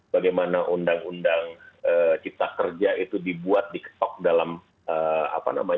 bagaimana undang undang cipta kerja itu dibuat diketok dalam